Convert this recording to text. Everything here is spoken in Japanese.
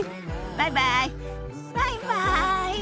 バイバイ。